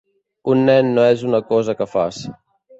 Un nen no és una cosa que fas.